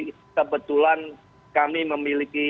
karena kebetulan kami memiliki